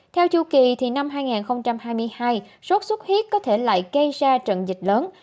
theo chu kỳ thì năm hai nghìn hai mươi hai sốt xuất huyết có thể lại gây ra trận dịch lớn